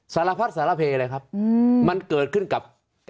สารพัดสารเพเลยครับ